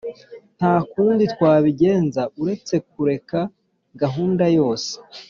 nta kundi twabigenza uretse kureka gahunda yose.